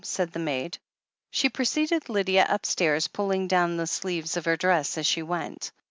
said the maid. She preceded Lydia upstairs, pulling down the sleeves of her dress as she went.